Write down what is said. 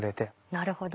なるほど。